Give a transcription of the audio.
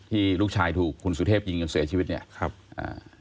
ที่ลูกชายถูกคุณสุเทพยิงจนเสียชีวิตเนี่ยครับอ่า